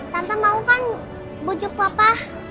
tante mau kan bujuk papa